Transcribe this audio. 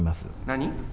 何？